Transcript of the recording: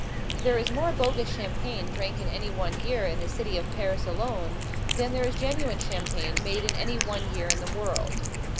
There is more bogus champagne drank in any one year, in the city of Paris alone, than there is genuine champagne made in any one year in the world.